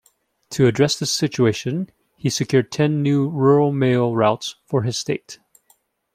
To address this situation he secured ten new rural mail routes for his state.